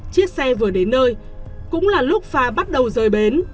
chiếc xe vừa đến nơi cũng là lúc phà bắt đầu rời bến